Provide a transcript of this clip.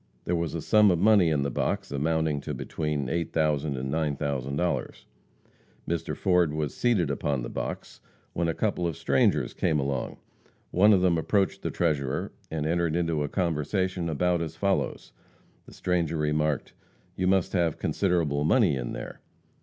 There was a sum of money in the box amounting to between $8,000 and $9,000. Mr. Ford was seated upon the box when a couple of strangers came along. One of them approached the treasurer, and entered into a conversation about as follows: The stranger remarked, "You must have considerable money in there?"